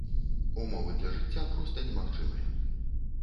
Умовы для жыцця проста немагчымыя.